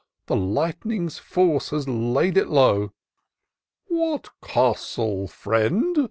The lightning's force has laid it low*" " What castle, friend?"